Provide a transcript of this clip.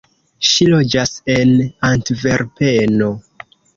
Ŝi loĝas en Antverpeno.